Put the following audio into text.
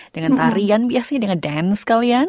dengan tarian biasanya dengan dance kalian